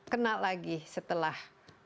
kena lagi setelah